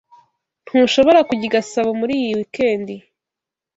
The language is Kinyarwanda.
Ntushobora kujya i Gasabo muri iyi weekend.